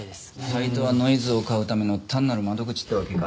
サイトはノイズを買うための単なる窓口ってわけか。